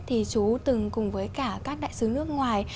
thì chú từng cùng với cả các đại sứ nước ngoài